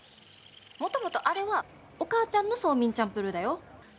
もともとあれはお母ちゃんのソーミンチャンプルーだよ。